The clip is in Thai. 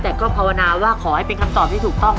แต่ก็ภาวนาว่าขอให้เป็นคำตอบที่ถูกต้อง